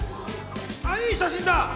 いい写真だ！